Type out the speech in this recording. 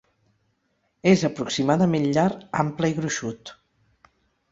És aproximadament llar, ample i gruixut.